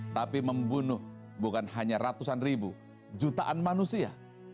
tapi membunuh bukan hanya ratusan ribu jutaan manusia